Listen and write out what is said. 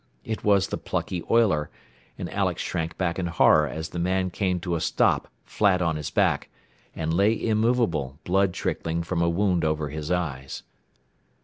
It was the plucky oiler, and Alex shrank back in horror as the man came to a stop flat on his back, and lay immovable, blood trickling from a wound over his eyes.